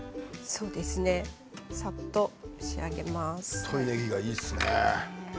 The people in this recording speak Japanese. そうですねさっと仕上げます。